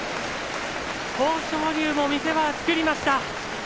豊昇龍も見せ場を作りました。